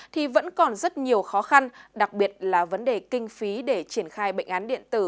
thì vẫn còn rất nhiều khó khăn đặc biệt là vấn đề kinh phí để triển khai bệnh án điện tử